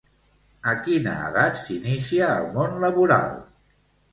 A quina edat s'inicia al món laboral?